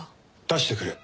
出してくれ。